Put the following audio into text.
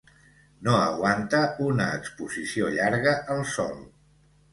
No aguanta una exposició llarga al sol.